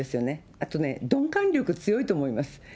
あとね、鈍感力強いと思います。